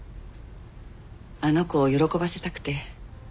あの子を喜ばせたくて。